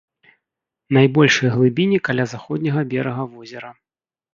Найбольшыя глыбіні каля заходняга берага возера.